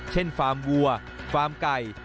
ฟาร์มวัวฟาร์มไก่